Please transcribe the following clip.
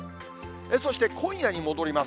そして今夜に戻ります。